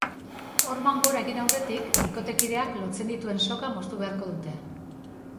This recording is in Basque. Horman gora egin aurretik, bikotekideak lotzen dituen soka moztu beharko dute.